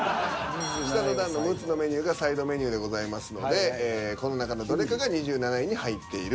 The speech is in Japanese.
下の段の６つのメニューがサイドメニューでございますのでこの中のどれかが２７位に入っているという。